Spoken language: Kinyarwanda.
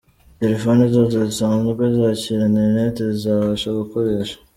Telefone zose zisanzwe zakira internet zizabasha gukoresha.